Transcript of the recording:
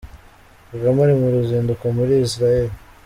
Kagame ari mu ruzinduko muri Israel.